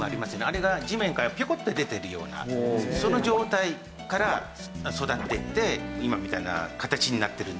あれが地面からピョコッて出てるようなその状態から育っていって今みたいな形になってるんですけども。